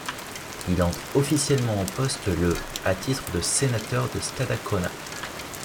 Il entre officiellement en poste le à titre de sénateur de Stadacona.